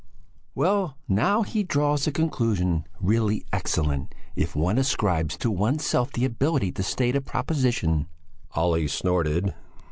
"Well, now he draws the conclusion (really excellent): 'If one ascribes to oneself the ability to state a proposition '" Olle snorted.